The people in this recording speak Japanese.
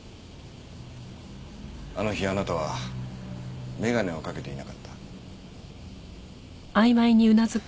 あの日あなたは眼鏡をかけていなかった。